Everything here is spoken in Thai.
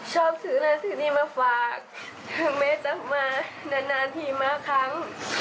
ชอบถึงรักษณีย์มาฝากถึงไม่จับมานานทีมากครั้ง